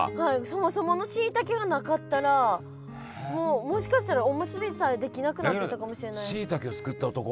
そもそものしいたけがなかったらもうもしかしたらおむすびさえできなくなってたかもしれない。